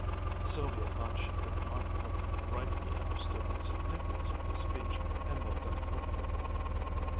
Sylvia thought she could not have rightly understood the significance of this speech, and looked uncomfortable.